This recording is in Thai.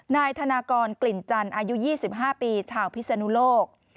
นายธนากรกลิ่นจันทร์อายุ๒๕ปีชาวพิศนุโลก